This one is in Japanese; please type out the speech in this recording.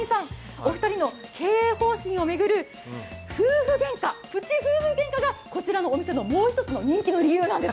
お二人の経営方針を巡るプチ夫婦ゲンカがこちらのお店のもう一つの人気の理由なんです。